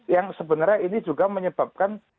yang sebenarnya ini juga menyebabkan